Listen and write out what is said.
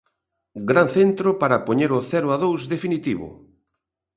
Gran centro para poñer o cero a dous definitivo.